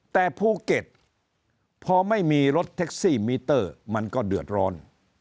แต่ภูเก็ตพอไม่มีรถแท็กซี่มิเตอร์มันก็เดือดร้อน